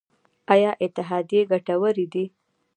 آیا اتحادیې ګټورې دي؟